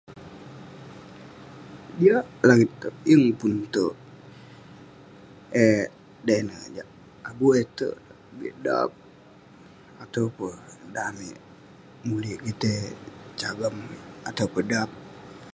Jiak langit touk, yeng pun terk. Eh dai ineh jak, abu eh terk dak bik dap. Atau peh dan amik mulik kitei sagam.